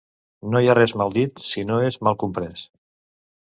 No hi ha res mal dit si no és mal comprès.